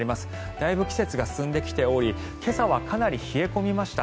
だいぶ季節が進んできており今朝はかなり冷え込みました。